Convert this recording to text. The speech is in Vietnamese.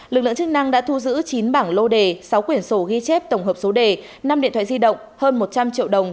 lực lượng chức năng đã thu giữ chín bảng lô đề sáu quyển sổ ghi chép tổng hợp số đề năm điện thoại di động hơn một trăm linh triệu đồng